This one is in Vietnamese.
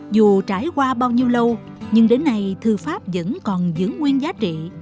dù trải qua bao nhiêu lâu nhưng đến nay thư pháp vẫn còn giữ nguyên giá trị